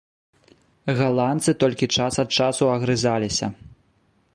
Галандцы толькі час ад часу агрызаліся.